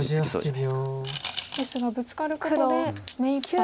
ですがブツカることで目いっぱい。